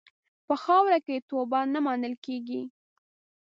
په خاوره کې توبه نه منل کېږي.